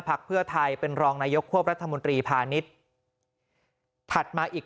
เพื่อไทยเป็นรองนายกควบรัฐมนตรีพาณิชย์ถัดมาอีก